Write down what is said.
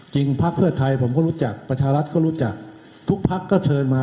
จริงพักษ์เครือภาคไทยผมก็รู้จักประชารัฐก็รู้จักทุกพักษ์ก็เชิญมา